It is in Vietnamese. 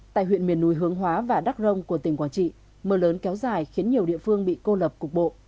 tại huyện miền núi hướng hóa và đắk rông của tỉnh quảng trị mưa lớn kéo dài khiến nhiều địa phương bị cô lập cục bộ